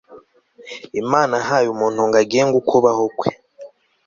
Imana yahaye umuntu ngo agenge ukubaho kwe